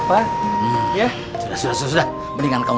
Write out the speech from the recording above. pagi pagi udah ditanggi kontra kan